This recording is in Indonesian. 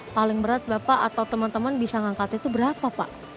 paling berat bapak atau teman teman bisa ngangkat itu berapa pak